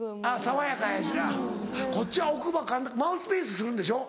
爽やかやしなこっちは奥歯マウスピースするんでしょ？